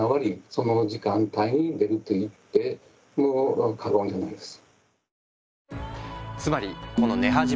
その時間帯に出ると言っても過言じゃないです。